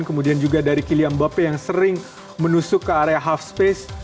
kemudian juga dari kyliam mbappe yang sering menusuk ke area half space